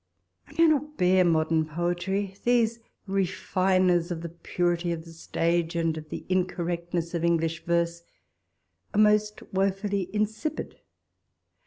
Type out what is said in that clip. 1 cannot bear modern poetry ; these refiners of the purity of the stage, and of the incorrectness of English verse, are most wofully insipid.